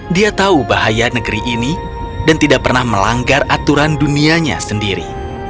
dia tahu bahaya negeri ini dan tidak pernah melanggar aturan dunianya sendiri